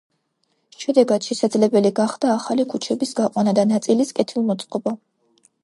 შედეგად შესაძლებელი გახდა ახალი ქუჩების გაყვანა და ნაწილის კეთილმოწყობა.